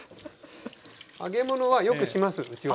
揚げ物はよくしますうちは。